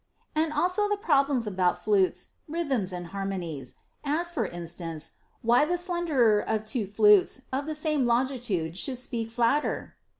And also the problems about flutes, rhythms, and harmonies ; as, for instance, why the slenderer of two flutes of the same longitude should speak flatter'?